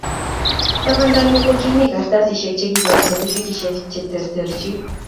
Tababunyi kokimi kartasisiek chekiiboru satifiket che terterchin